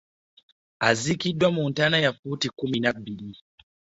Aziikiddwa mu ntaana ya ffuuti makumi abiri